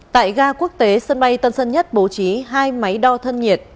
tại ga quốc tế sân bay tân sơn nhất bố trí hai máy đo thân nhiệt